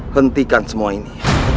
hentikan semua ini